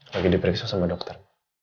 lagi diperiksa sama dokter